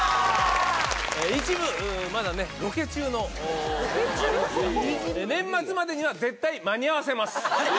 一部まだねロケ中のものもありますが年末までには絶対間に合わせます。